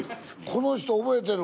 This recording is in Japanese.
この人覚えてる。